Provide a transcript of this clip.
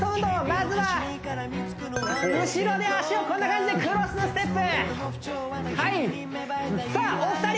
まずは後ろで脚をこんな感じでクロスステップはいさあお二人